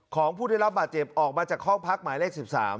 ของผู้ได้รับบาดเจ็บออกมาจากห้องพักหมายเลข๑๓